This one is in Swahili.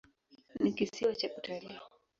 Ni kisiwa cha utalii.